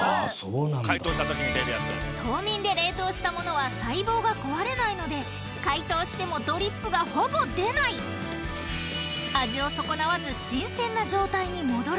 凍眠で冷凍したものは細胞が壊れないので解凍してもドリップがほぼ出ないへえ